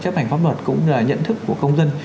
chấp hành pháp luật cũng như là nhận thức của công dân